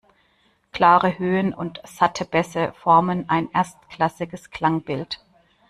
Klare Höhen und satte Bässe formen ein erstklassiges Klangbild.